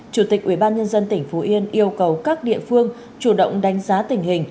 chủ tịch ubnd tỉnh phú yên yêu cầu các địa phương chủ động đánh giá tình hình